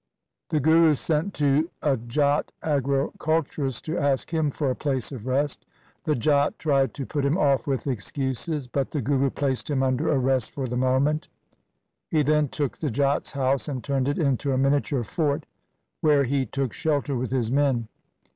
The Guru sent to a J at agriculturist to ask him for a place of rest. The J at tried to put him off with excuses, but the Guru placed him under arrest for the moment. He then took the Jat's house, and turned it into a miniature fort where he took shelter with his men.